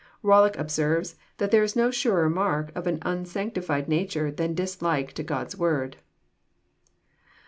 Bollock observes, that there is no surer mark of an unsancti fled nature than dislike to God's Word.